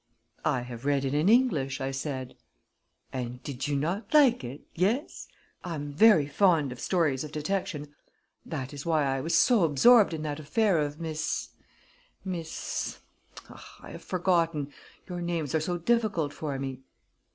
"I have read it in English," I said. "And did you not like it yes? I am ver' fond of stories of detection. That is why I was so absorbed in that affair of Mees Mees ah, I have forgotten! Your names are so difficult for me."